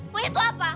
maunya tuh apa